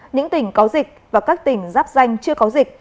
những tỉnh có dịch và các tỉnh giáp danh chưa có dịch